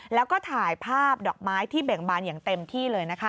แล้วก็ถ่ายภาพดอกไม้ที่เบ่งบานอย่างเต็มที่เลยนะคะ